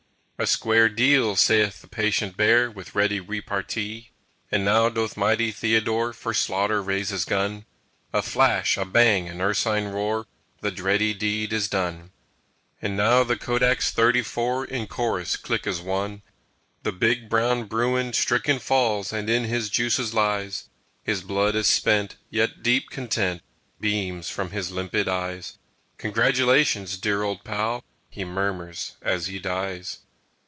"A square deal!" saith the patient Bear, With ready repartee. And now doth mighty Theodore For slaughter raise his gun; A flash, a bang, an ursine roar The dready deed is done! And now the kodaks thirty four In chorus click as one. The big brown bruin stricken falls And in his juices lies; His blood is spent, yet deep content Beams from his limpid eyes. "Congratulations, dear old pal!" He murmurs as he dies.